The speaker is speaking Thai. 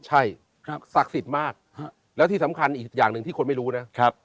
ใช่ศักดิ์สิทธิ์มากแล้วที่สำคัญอีกอย่างหนึ่งที่คนไม่รู้นะ